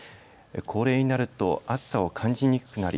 高齢になると暑さを感じにくくなり